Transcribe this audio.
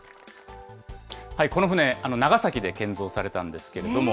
この船、長崎で建造されたんですけれども。